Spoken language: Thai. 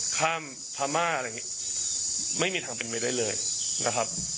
ข้ามพม่าอะไรอย่างนี้ไม่มีทางเป็นไปได้เลยนะครับ